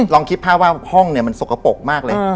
ลองคิดภาพว่าห้องเนี่ยมันสกปรกมากเลย